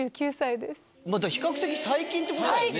比較的最近ってことだよね。